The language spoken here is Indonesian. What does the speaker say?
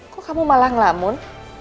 kok kamu malah ngelamun